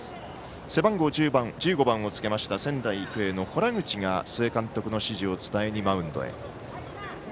背番号１５番をつけました仙台育英の洞口が、須江監督の指示を伝えにマウンドへ。